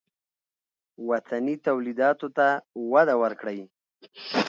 وطني تولیداتو ته وده ورکړئ